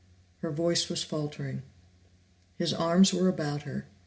Her voice was faltering. His arms were about her.